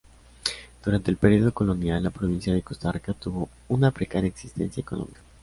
Durante el periodo colonial, la provincia de Costa Rica tuvo una precaria existencia económica.